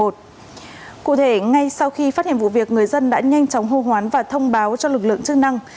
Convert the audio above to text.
cụ thể ngay sau khi phát hiện vụ việc người dân đã nhanh chóng hô hoán và thông báo cho lực lượng chức năng